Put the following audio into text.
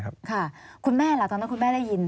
คุณแม่ล่ะตอนนั้นคุณแม่ได้ยิน